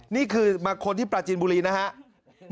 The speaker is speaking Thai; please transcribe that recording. นี่คือมาคนที่ปราจีนบุรีนะครับ